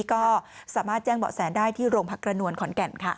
ก็สามารถแจ้งเบาะแสได้ที่โรงพักกระนวลขอนแก่นค่ะ